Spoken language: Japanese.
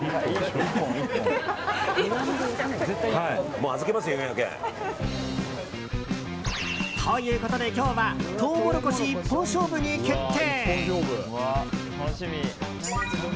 もう預けますよ、４００円。ということで今日はトウモロコシ１本勝負に決定！